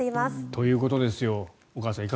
ということですよ。